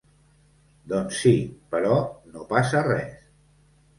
Doncs sí, però no passa res.